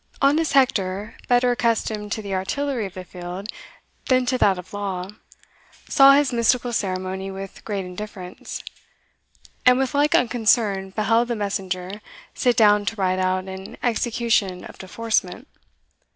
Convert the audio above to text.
Honest Hector, better accustomed to the artillery of the field than to that of the law, saw this mystical ceremony with great indifference; and with like unconcern beheld the messenger sit down to write out an execution of deforcement.